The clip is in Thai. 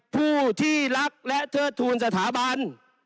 ผู้ที่รักและเทิดทูลสถาบัน